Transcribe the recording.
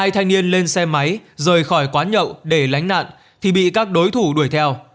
hai thanh niên lên xe máy rời khỏi quán nhậu để lánh nạn thì bị các đối thủ đuổi theo